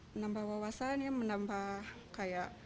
menambah wawasan ya menambah kayak